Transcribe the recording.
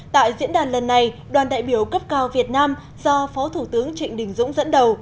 tại diễn đàn lần này đoàn đại biểu cấp cao việt nam do phó thủ tướng trịnh đình dũng dẫn đầu